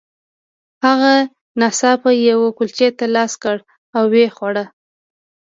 هغه ناڅاپه یوې کلچې ته لاس کړ او ویې خوړه